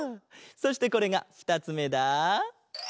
そしてこれがふたつめだ。